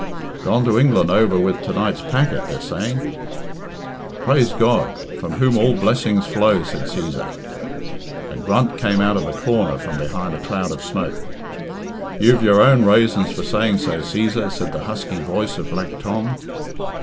"Gone to England over with to night's packet, they're saying." "Praise God, from whom all blessings flow," said Cæsar. A grunt came out of the corner from behind a cloud of smoke. "You've your own rasons for saying so, Cæsar," said the husky voice of Black Tom.